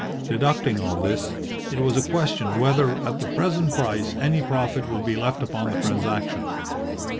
Deducting all this, it was a question whether at the present price any profit would be left upon the transaction.